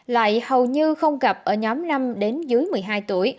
lại hầu như không gặp ở nhóm năm đến dưới một mươi hai tuổi